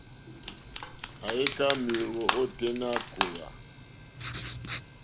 Àyíkâ méěyó ôténá kòòhwà.